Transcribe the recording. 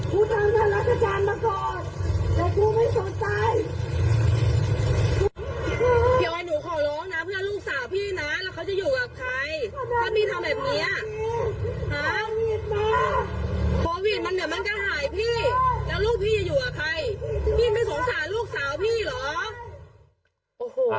พี่แล้วลูกพี่จะอยู่กับใครพี่ไม่สงสารลูกสาวพี่เหรอ